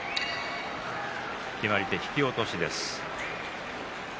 決まり手引き落としです。